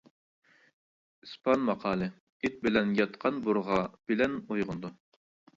ئىسپان ماقالى-ئىت بىلەن ياتقان بۇرغا بىلەن ئويغىنىدۇ.